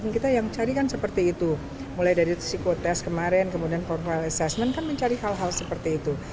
kita yang cari kan seperti itu mulai dari psikotest kemarin kemudian profile assessment kan mencari hal hal seperti itu